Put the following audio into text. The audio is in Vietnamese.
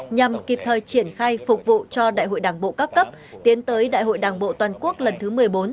nhằm kịp thời triển khai phục vụ cho đại hội đảng bộ các cấp tiến tới đại hội đảng bộ toàn quốc lần thứ một mươi bốn